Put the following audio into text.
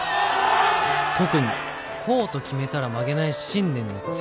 特にこうと決めたら曲げない信念の強さ。